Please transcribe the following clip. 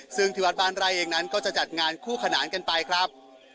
ซึ่งที่วัดบ้านไร่เองนั้นก็จะจัดงานคู่ขนานกันไปครับ